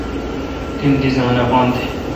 تن ڈیزان اپاتھ